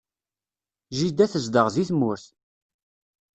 Jida tezdeɣ deg tmurt.